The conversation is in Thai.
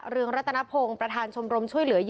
เรืองรัฐนภงประธานชมรมช่วยเหลือง